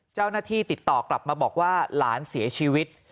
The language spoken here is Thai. เจ้าหน้าที่ติดต่อกลับมาบอกว่าหลานเสียชีวิต